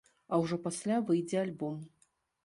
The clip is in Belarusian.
А ўжо пасля выйдзе альбом.